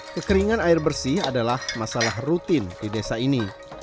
kekeringan air bersih adalah masalah rutin di desa ini